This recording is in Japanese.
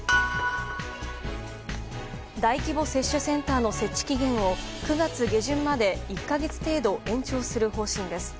大規模接種センターの設置期限を９月下旬まで１か月程度延長する方針です。